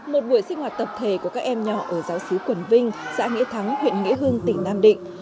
một buổi sinh hoạt tập thể của các em nhỏ ở giáo sứ quần vinh xã nghĩa thắng huyện nghĩa hương tỉnh nam định